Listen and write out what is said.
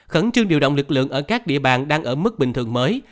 khẩn trương điều động lực lượng ở các địa bàn đang ở mức bình thường mới